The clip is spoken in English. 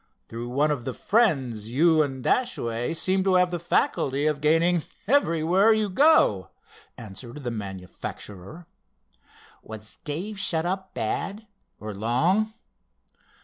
"Through one of the friends you and Dashaway seem to have the faculty of gaining everywhere you go," answered the manufacturer. "Was Dave shut up bad—or long?"